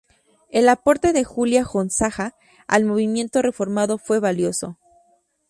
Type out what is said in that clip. El aporte de Julia Gonzaga al movimiento reformado fue valioso.